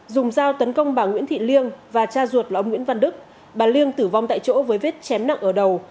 dùng dao tấn công bà nguyễn thị liêng và cha ruột là ông nguyễn văn đức bà liên tử vong tại chỗ với vết chém nặng ở đầu